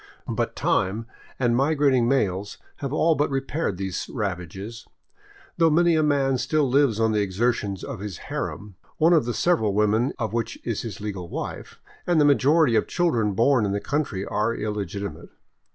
But time and migrating males have all but repaired these ravages, though many a man still lives on the exertions of his harem, one of the several women of vs^hich is his legal wife, and the majority of children born in the country are illegitimate.